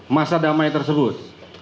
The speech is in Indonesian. masa damai tersebut